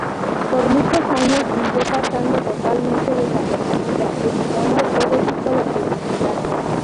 Por muchos años vivió pasando totalmente desapercibida, evitando todo tipo de publicidad.